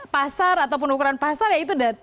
pasar ataupun ukuran pasar ya itu